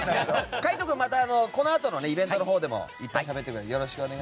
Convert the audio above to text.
海渡君、またこのあとのイベントのほうでもいっぱいしゃべってください。